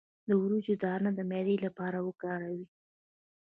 د وریجو دانه د معدې لپاره وکاروئ